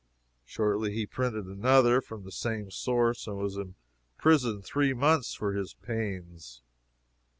Shortly he printed another from the same source and was imprisoned three months for his pains.